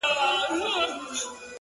هلته د ژوند تر آخري سرحده-